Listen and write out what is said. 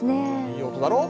いい音だろう？